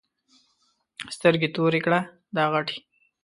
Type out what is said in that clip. سترګې تورې کړه دا غټې.